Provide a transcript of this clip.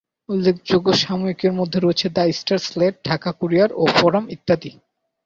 উল্লেখযোগ্য সাময়িকীর মধ্যে রয়েছে "The Star", "Slate", "Dhaka Courier" ও "ফোরাম" ইত্যাদি।